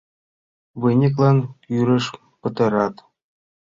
Выньыклан кӱрышт пытарат.